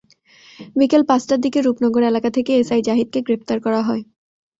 বিকেল পাঁচটার দিকে রূপনগর এলাকা থেকে এসআই জাহিদকে গ্রেপ্তার করা হয়।